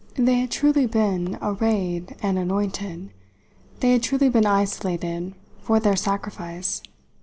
They had truly been arrayed and anointed, they had truly been isolated, for their sacrifice.